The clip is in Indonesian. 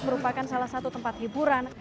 merupakan salah satu tempat hiburan